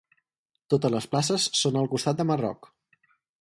Totes les places són al costat de Marroc.